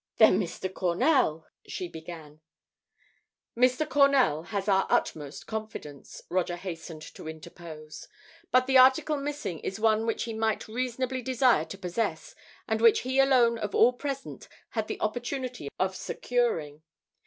"Then, Mr. Cornell," she began "Mr. Cornell has our utmost confidence," Roger hastened to interpose. "But the article missing is one which he might reasonably desire to possess and which he alone of all present had the opportunity of securing.